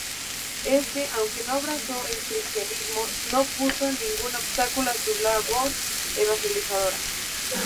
Este, aunque no abrazó el cristianismo, no puso ningún obstáculo a su labor evangelizadora.